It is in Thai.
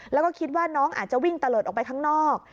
แล้วก็คิดว่าน้องอาจจะวิ่งตะเลิศออกไปข้างนอก